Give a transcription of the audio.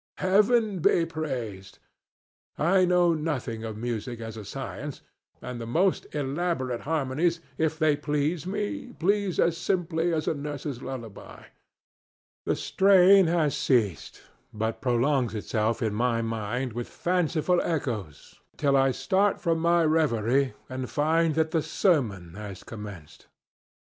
Heaven be praised! I know nothing of music as a science, and the most elaborate harmonies, if they please me, please as simply as a nurse's lullaby. The strain has ceased, but prolongs itself in my mind with fanciful echoes till I start from my reverie and find that the sermon has commenced.